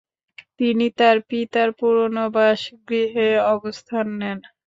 তিনি তার পিতার পুরনো বাসগৃহে অবস্থান নেন।